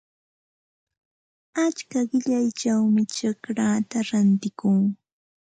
Achka qillayćhawmi chacraata rantikuu.